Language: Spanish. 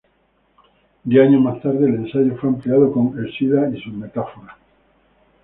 Diez años más tarde, el ensayo fue ampliado con "El sida y sus metáforas".